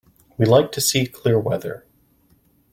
We like to see clear weather.